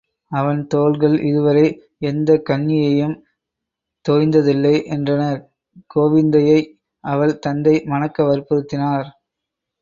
அவன் தோள்கள் இதுவரை எந்தக் கன்னியையும் தோய்ந்ததில்லை என்றனர், கோவிந்தையை அவள் தந்தை மணக்க வற்புறுத்தினார்.